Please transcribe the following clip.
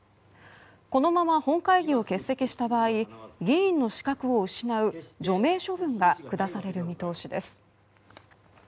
このまま本会議を欠席した場合議員の資格を失う除名処分が下される見通しです。